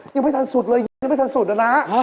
ยังไม่ทันสุดเลยยังไม่ทันสุดนะ